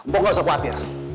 pok gak usah khawatir